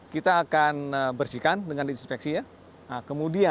kita akan bersihkan dengan dispeksi ya